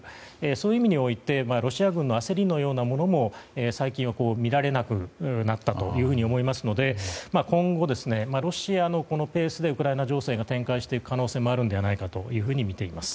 そういう意味においてロシア軍の焦りのようなものも最近は見られなくなったと思いますので今後、ロシアのペースでウクライナ情勢が展開していく可能性もあるのではないかとみています。